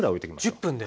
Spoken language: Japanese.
１０分で。